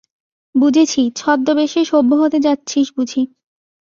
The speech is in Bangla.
বুঝেছি, ছদ্মবেশে সভ্য হতে যাচ্ছিস বুঝি।